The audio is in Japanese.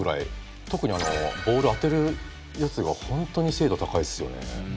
特にボールを当てるやつがほんとに精度高いっすよね。